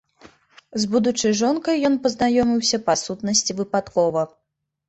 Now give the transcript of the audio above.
З будучай жонкай ён пазнаёміўся па сутнасці выпадкова.